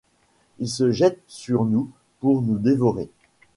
Il se jette sur nous pour nous dévorer!